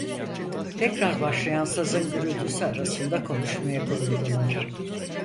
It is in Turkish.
Tekrar başlayan sazın gürültüsü arasında konuşmaya koyuldular.